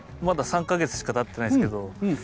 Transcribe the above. まだ３カ月しか経ってないですけど